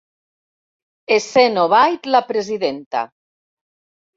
Essent Obaid la presidenta.